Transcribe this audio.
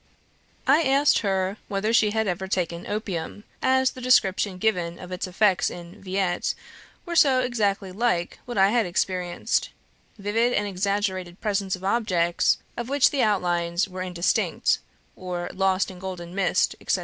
I asked her whether she had ever taken opium, as the description given of its effects in "Villette" was so exactly like what I had experienced, vivid and exaggerated presence of objects, of which the outlines were indistinct, or lost in golden mist, etc.